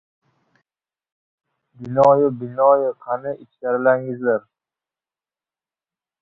— Binoyi, binoyi. Qani, ichkarilangizlar.